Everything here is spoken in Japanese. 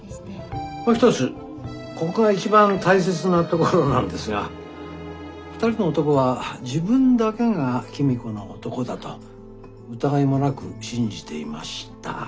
もう一つここが一番大切なところなんですが２人の男は自分だけが公子の男だと疑いもなく信じていました。